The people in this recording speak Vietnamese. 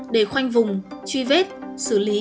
để khoanh vùng truy vết xử lý